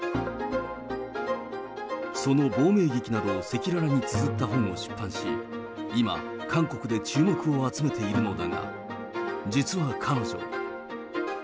その亡命劇などを赤裸々につづった本を出版し、今、韓国で注目を集めているのだが、実は彼女。